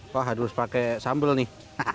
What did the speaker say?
wah harus pakai sambal nih